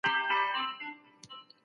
د اسلام دین د مغولو لخوا ومنل سو.